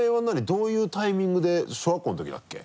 どういうタイミングで小学校の時だっけ？